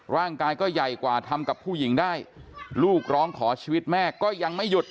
ร่างกายก็ใหญ่กว่าทำกับผู้หญิงได้ลูกร้องขอชีวิตแม่ก็ยังไม่หยุด